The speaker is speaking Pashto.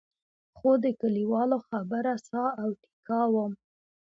خو د کلیوالو خبره ساه او ټیکا وم.